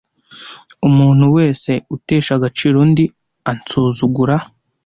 Umuntu wese utesha agaciro undi ansuzugura,